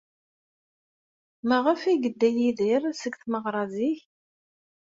Maɣef ay yedda Yidir seg tmeɣra zik?